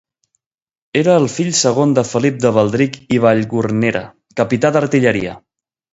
Era el fill segon de Felip de Baldric i Vallgornera, capità d'artilleria.